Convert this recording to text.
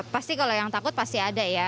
pasti kalau yang takut pasti ada ya